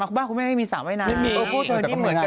มัดมัดมัดมัดอยู่นะคุณเนี่ย